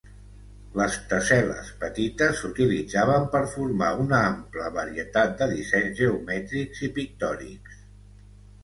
Les tessel·les petites s"utilitzaven per formar una ampla varietat de dissenys geomètrics i pictòrics.